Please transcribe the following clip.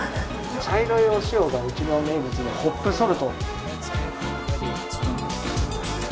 茶色いお塩がうちの名物のホップソルト。